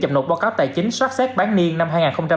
chậm nộp báo cáo tài chính soát xét bán niên năm hai nghìn hai mươi hai